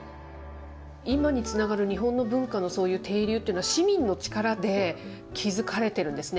今につながる日本の文化のそういう底流というのは、市民の力で築かれてるんですね。